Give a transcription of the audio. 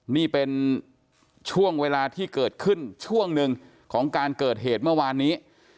นี่เป็นช่วงเวลาที่เกิดขึ้นช่วงหนึ่งของการเกิดเหตุเมื่อวานนี้